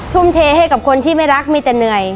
ทุ่มเทให้กับคนที่ไม่รักมีแต่เหนื่อย